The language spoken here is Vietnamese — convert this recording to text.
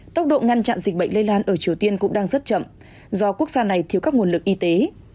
tốc độ ngăn chặn dịch bệnh lây lan ở triều tiên cũng đang rất chậm do quốc gia này thiếu các nguồn lực y tế